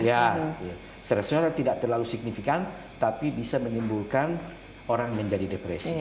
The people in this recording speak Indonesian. ya stresnya tidak terlalu signifikan tapi bisa menimbulkan orang menjadi depresi